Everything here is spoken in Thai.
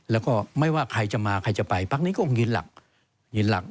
แล้วก็ไม่ว่าใครจะมาใครจะไปภักดิ์นี้ก็หยิดหลัก